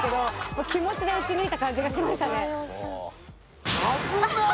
気持ちで撃ち抜いた感じがしましたね。